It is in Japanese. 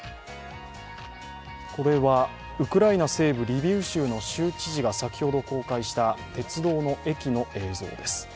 これはウクライナ西部リビウ州の州知事が先ほど公開した鉄道の駅の映像です。